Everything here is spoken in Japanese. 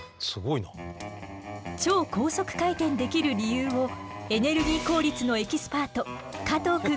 超高速回転できる理由をエネルギー効率のエキスパート加藤くんが教えてくれるわ。